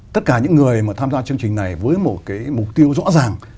tất cả những người mà tham gia chương trình này với một cái mục tiêu rõ ràng